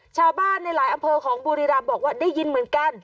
ชาวบ้านในหลายอำเภอของบุรีรำบอกว่าได้ยินเหมือนกัน